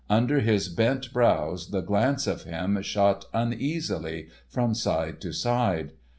Under his bent brows the glance of him shot uneasily from side to side.